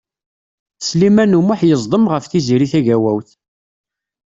Sliman U Muḥ yeẓdem ɣef Tiziri Tagawawt.